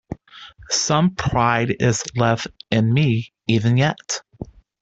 Some pride is left in me even yet.